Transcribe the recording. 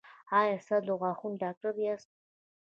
ایا تاسو د غاښونو ډاکټر یاست؟